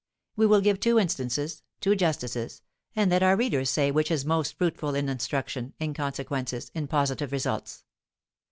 We will give two instances two justices and let our readers say which is most fruitful in instruction, in consequences, in positive results.